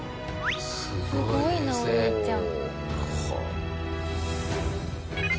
すごいなお兄ちゃん。